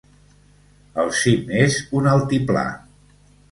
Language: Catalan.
El cim és un altiplà.